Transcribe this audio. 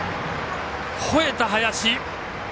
ほえた、林。